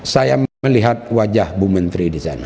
saya melihat wajah bu menteri disana